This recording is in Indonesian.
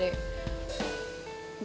gue takut dia macem macem